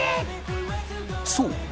そう！